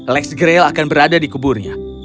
lex graille akan berada di kuburnya